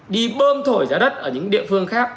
đi bơm thổi giá đất ở những địa phương khác